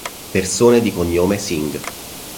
Persone di cognome Singh